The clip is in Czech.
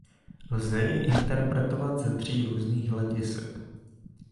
Lze ji interpretovat ze tří různých hledisek.